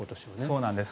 そうなんです。